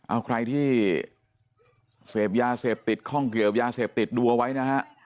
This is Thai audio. เอาใครที่เสพยาเสพติดคล่องเกี่ยวยาเสพติดดูเอาไว้นะฮะ